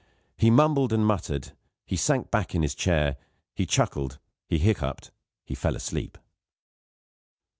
He mumbled and muttered; he sank back in his chair; he chuckled; he hiccupped; he fell asleep.